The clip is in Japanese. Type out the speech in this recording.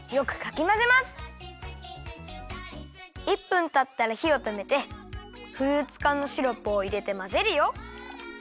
１分たったらひをとめてフルーツかんのシロップをいれてまぜるよ。